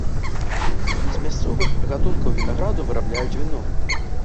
З мясцовых гатункаў вінаграду вырабляюць віно.